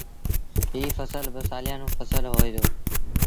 ايٚ ڦسل با سآليآݩون ڦسل هوئي دو۔